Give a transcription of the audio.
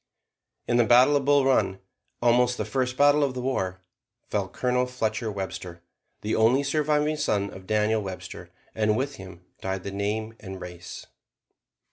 In the battle of Bull Run, almost the first battle of the war, fell Colonel Fletcher Webster, the only surviving son of Daniel Webster, and with him died the name and race.